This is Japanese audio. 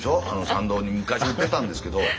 参道に昔売ってたんですけど。